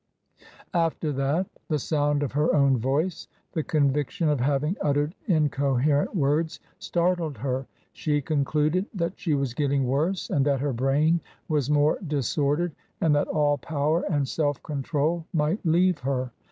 After that the sound of her own voice, the conviction of having uttered incoherent words, startled her. She concluded that she was getting worse and that her brain was more disordered, and that all power and self control might leave her.